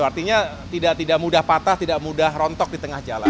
artinya tidak mudah patah tidak mudah rontok di tengah jalan